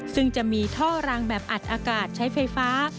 ซึ่งจะมีท่อรางแบบอัดอากาศใช้ไฟฟ้า